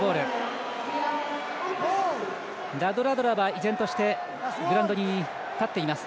ラドラドラは依然としてグラウンドに立っています。